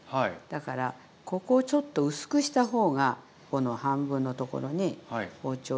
だからここをちょっと薄くした方がこの半分のところに包丁を入れて。